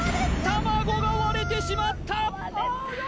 卵が割れてしまった！